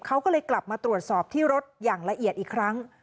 เขาก็เลยกลับมาตรวจสอบที่รถอย่างละเอียดอีกครั้ง